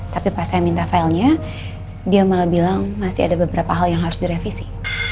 tapi pas saya minta filenya dia malah bilang masih ada beberapa hal yang harus direvisi